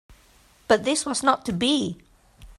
But this was not to be.